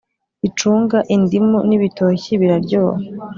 icunga, indimu n'ibitoki, biraryoha